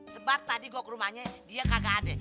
sebab tadi gue ke rumahnya dia nggak ada